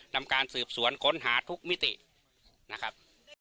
นำการสืบสวนค้นหาทุกมิตินะครับ